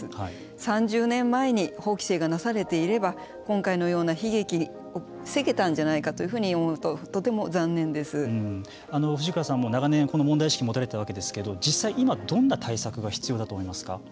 ３０年前に法規制がなされていれば今回のような悲劇を防げたのじゃないかなと思うと藤倉さんも長年問題意識を持たれたわけですけど実際今どんな対策が必要だと思いますか。